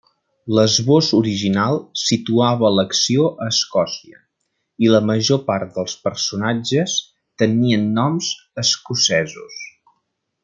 L'esbós original situava l'acció a Escòcia, i la major part dels personatges tenien noms escocesos.